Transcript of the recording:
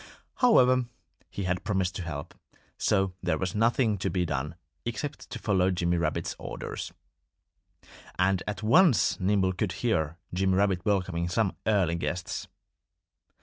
However, he had promised to help. So there was nothing to be done except to follow Jimmy Rabbit's orders. And at once Nimble could hear Jimmy Rabbit welcoming some early guests.